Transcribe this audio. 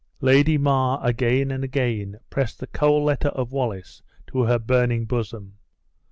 Lady Mar again and again pressed the cold letter of Wallace to her burning bosom.